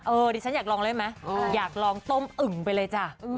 ดิฉันอยากลองเล่นไหมอยากลองต้มอึ่งไปเลยจ้ะ